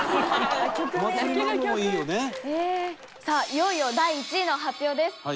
さあ、いよいよ、第１位の発表です。